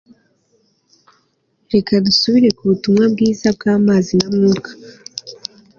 Reka dusubire kubutumwa bwiza bwamazi na Mwuka